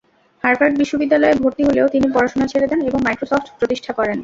Harvard বিশ্ববিদ্যালয়ে ভর্তি হলেও তিনি পড়াশোনা ছেড়ে দেন এবং মাইক্রোসফট প্রতিষ্ঠা করেন।